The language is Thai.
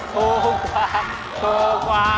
ถูกกว่า